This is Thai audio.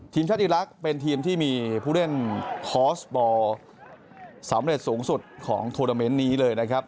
ทีมชาติอีลักษณ์เป็นทีมที่มีผู้เล่นคอสบอลสำเร็จสูงสุดของทวนาเมนต์นี้เลยนะครับ